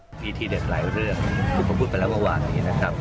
มีที่เด็ดหลายเรื่องที่ผมพูดไปแล้วเมื่อวานนี้นะครับ